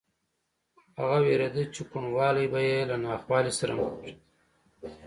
هغه وېرېده چې کوڼوالی به یې له ناخوالې سره مخ کړي